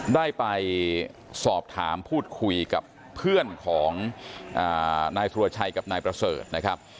ได้ไปสอบถามพูดคุยกับเพื่อนของนายสุรชัยกับนายประเสริฐนะครับ